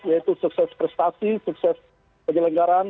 yaitu sukses prestasi sukses penyelenggaran